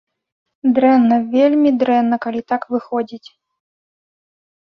Дрэнна, вельмі дрэнна, калі так выходзіць.